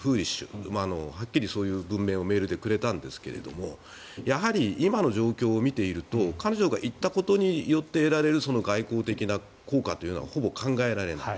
はっきりそういう文面をメールでくれたんですがやはり今の状況を見ていると彼女が行ったことによって得られる外交的効果はほぼ考えられない。